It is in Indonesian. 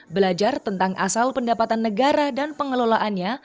belajar tentang asal pendapatan negara dan pengelolaannya